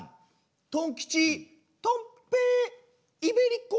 トン吉トン平イベリコ」。